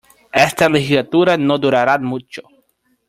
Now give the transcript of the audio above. Esta legislatura no durará mucho.